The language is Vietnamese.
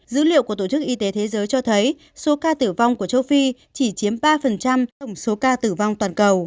dữ liệu của tổ chức y tế thế giới cho thấy số ca tử vong của châu phi chỉ chiếm ba tổng số ca tử vong toàn cầu